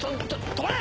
止まれ！